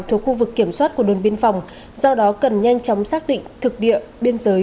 thuộc khu vực kiểm soát của đồn biên phòng do đó cần nhanh chóng xác định thực địa biên giới